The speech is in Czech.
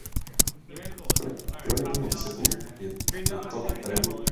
Kromě počátečního úseku je tok regulován.